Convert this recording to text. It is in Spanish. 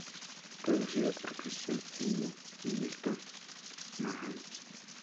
Producido por Cristián Heyne y Milton Mahan.